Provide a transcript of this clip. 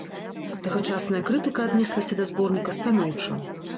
Тагачасная крытыка аднеслася да зборніка станоўча.